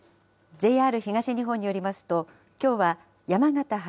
ＪＲ東日本によりますと、きょうは山形発